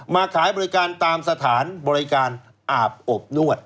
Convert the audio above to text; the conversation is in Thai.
ขายบริการตามสถานบริการอาบอบนวด